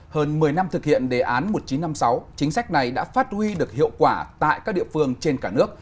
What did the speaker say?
hơn một mươi năm thực hiện đề án một nghìn chín trăm năm mươi sáu chính sách này đã phát huy được hiệu quả tại các địa phương trên cả nước